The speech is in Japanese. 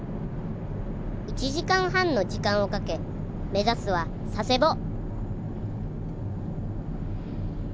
１時間半の時間をかけ目指すは佐世保！